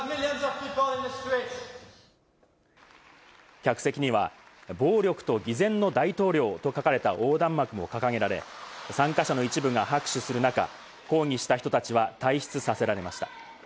客席には「暴力と偽善の大統領」と書かれた横断幕も掲げられ、参加者の一部が拍手する中、抗議した人たちは退出させられました。